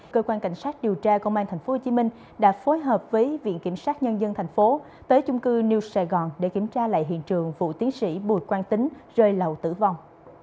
cơ quan cảnh sát điều tra công an thành phố hồ chí minh đã phối hợp với viện kiểm sát nhân dân thành phố tới chung cư new saigon để kiểm tra lại hiện trường vụ tiến sĩ bùi quang tính rơi lầu tử vong